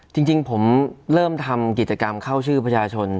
จริงผมเริ่มทำกิจกรรมเข้าชื่อประชาชน